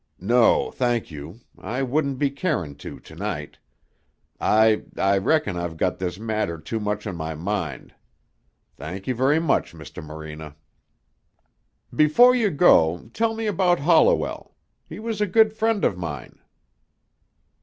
"No, thank you. I wouldn't be carin' to to night. I I reckon I've got this matter too much on my mind. Thank you very much, Mr. Morena." "Before you go, tell me about Holliwell. He was a good friend of mine."